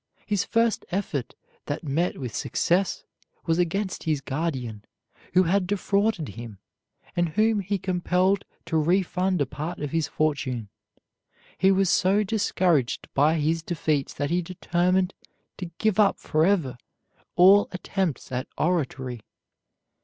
His first effort that met with success was against his guardian, who had defrauded him, and whom he compelled to refund a part of his fortune. He was so discouraged by his defeats that he determined to give up forever all attempts at oratory.